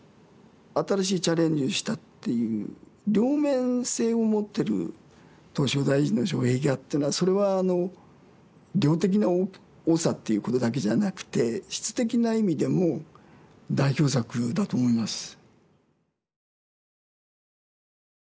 新しいチャレンジをしたっていう両面性を持ってる唐招提寺の障壁画っていうのはそれは量的な多さっていうことだけじゃなくて質的な意味でも代表作だと思います。